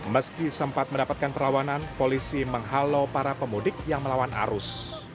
meski sempat mendapatkan perlawanan polisi menghalau para pemudik yang melawan arus